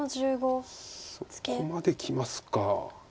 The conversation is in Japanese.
そこまできますか。